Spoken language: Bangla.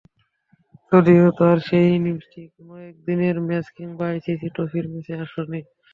যদিও তাঁর সেই ইনিংসটি কোনো একদিনের ম্যাচ কিংবা আইসিসি ট্রফির ম্যাচে আসেনি।